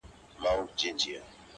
د دې بیتو څخه مخاطب